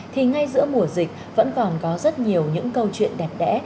thì ngay giữa mùa dịch vẫn còn có rất nhiều những câu chuyện đẹp đẽ